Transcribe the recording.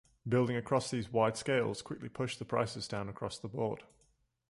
Building across these wide scales quickly pushed the prices down across the board.